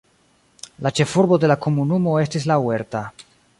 La ĉefurbo de la komunumo estas La Huerta.